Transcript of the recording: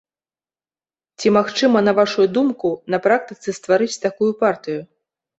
Ці магчыма, на вашую думку, на практыцы стварыць такую партыю?